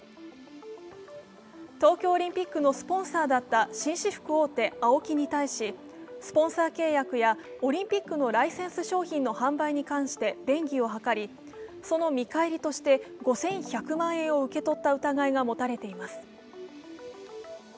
東京オリンピックのスポンサーだった紳士服大手・ＡＯＫＩに対しスポンサー契約やオリンピックのライセンス商品の販売に関して便宜を図りその見返りとして５１００万円を受け取った疑いが持たれています。